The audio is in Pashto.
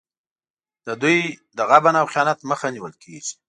د دوی د غبن او خیانت مخه نیول کېږي.